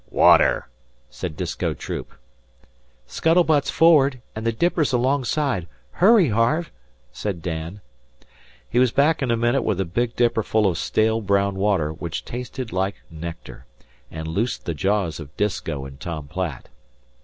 "Water!" said Disko Troop. "Scuttle butt's for'ard an' the dipper's alongside. Hurry, Harve," said Dan. He was back in a minute with a big dipperful of stale brown water which tasted like nectar, and loosed the jaws of Disko and Tom Platt.